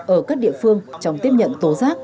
ở các địa phương trong tiếp nhận tố rác